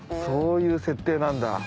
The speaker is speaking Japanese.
そういう設定なんだ。